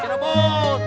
cirebon tasik para